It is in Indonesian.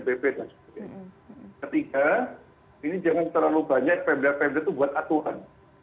pembeli pembeli itu buat aturan